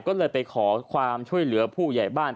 ก็เลยไปขอความช่วยเหลือผู้ใหญ่บ้าน